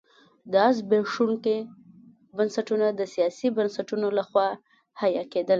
دا زبېښونکي بنسټونه د سیاسي بنسټونو لخوا حیه کېدل.